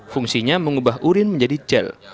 fungsinya mengubah urin menjadi gel